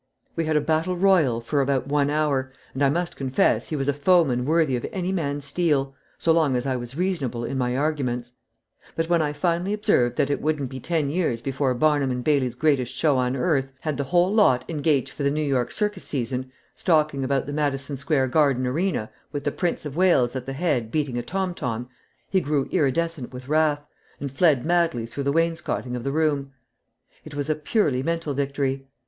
We had a battle royal for about one hour, and I must confess he was a foeman worthy of any man's steel, so long as I was reasonable in my arguments; but when I finally observed that it wouldn't be ten years before Barnum and Bailey's Greatest Show on Earth had the whole lot engaged for the New York circus season, stalking about the Madison Square Garden arena, with the Prince of Wales at the head beating a tomtom, he grew iridescent with wrath, and fled madly through the wainscoting of the room. It was purely a mental victory.